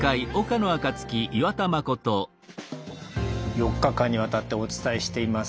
４日間にわたってお伝えしています